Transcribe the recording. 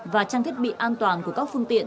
và trang thiết bị an toàn của các phương tiện